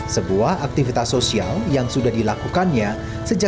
sebuah aktivitas sosial yang sudah dilakukannya sejak ia bertugas di kota